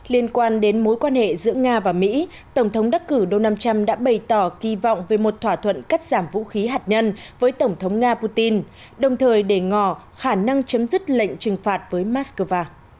liên quan đến mối quan hệ giữa nga và mỹ tổng thống đắc cử donald trump đã bày tỏ kỳ vọng về một thỏa thuận cắt giảm vũ khí hạt nhân với tổng thống nga putin đồng thời để ngò khả năng chấm dứt lệnh trừng phạt với moscow